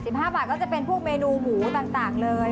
๕บาทก็จะเป็นพวกเมนูหมูต่างเลย